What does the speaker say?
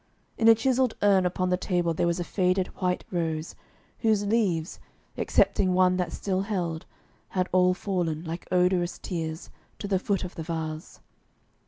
In a chiselled urn upon the table there was a faded white rose, whose leaves excepting one that still held had all fallen, like odorous tears, to the foot of the vase.